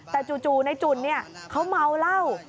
แต่จู่ในจุ่นเขาเมาเหล้า